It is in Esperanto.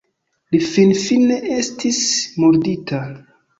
Li finfine estis murdita.